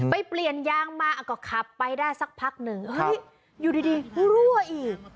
เปลี่ยนยางมาก็ขับไปได้สักพักหนึ่งเฮ้ยอยู่ดีรั่วอีก